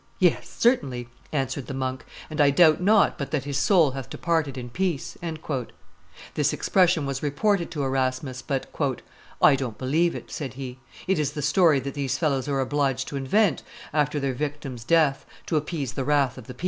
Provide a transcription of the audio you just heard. "Yes, certainly," answered the monk, "and I doubt not but that his soul hath departed in peace." This expression was reported to Erasmus; but "I don't believe it," said he; "it is the story that these fellows are obliged to invent after their victim's death, to appease the wrath of the people."